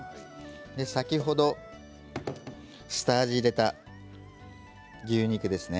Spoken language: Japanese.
先ほど下味を入れた牛肉ですね